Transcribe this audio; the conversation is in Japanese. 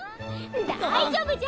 大丈夫じゃ。